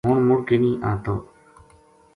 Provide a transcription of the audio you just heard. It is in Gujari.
ہن مُڑ کے نیہہ آتو